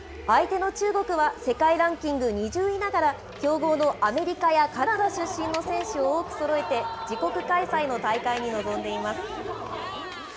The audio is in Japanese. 相手の中国は世界ランキング２０位ながら、強豪のアメリカやカナダ出身の選手を多くそろえて、自国開催の大会に臨んでいます。